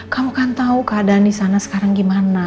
kamu kan tau keadaan disana sekarang gimana